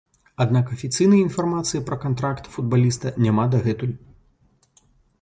Аднак афіцыйнай інфармацыі пра кантракт футбаліста няма дагэтуль.